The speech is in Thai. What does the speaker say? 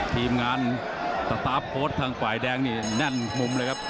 ทีมงานตะตาโฟสทางขวายแดงนี่แน่นมุมเลยครับ